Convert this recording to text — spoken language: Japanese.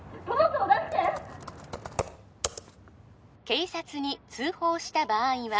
警察に通報した場合は